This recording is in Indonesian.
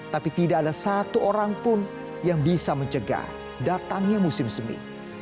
tapi tidak ada satu orang pun yang bisa mencegah datangnya musim semi